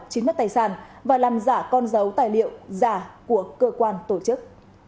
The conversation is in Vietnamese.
chiếm mất tài sản và làm giả con dấu tài liệu giả của cơ quan tổ chức